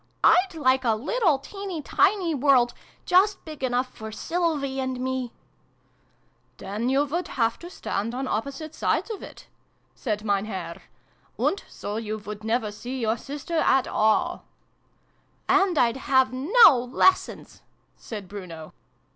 " I'd like a little teeny tiny world, just big enough for Sylvie and me !"" Then you would have to stand on opposite sides of it," said Mein Herr. " And so you would never see your sister at all /" "And I'd have no lessons" said Bruno.